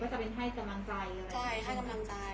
ทั้งคนที่ส่วนใหญ่ก็จะเป็นให้กำลังใจ